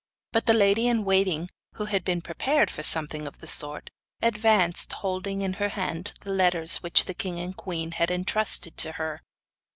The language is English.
But the lady in waiting, who had been prepared for something of the sort, advanced, holding in her hand the letters which the king and queen had entrusted to her.